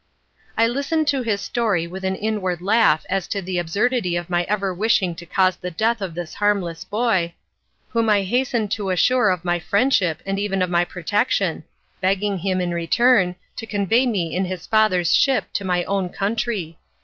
I listened to his story with an inward laugh as to the absurdity of my ever wishing to cause the death of this harmless boy, whom I hastened to assure of my friendship and even of my protection; begging him, in return, to convey me in his father's ship to my own country.